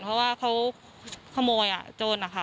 เพราะว่าเขาขโมยโจรนะคะ